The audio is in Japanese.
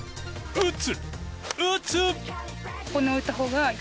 打つ！